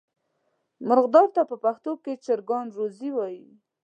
مرغدار ته په پښتو کې چرګان روزی وایي.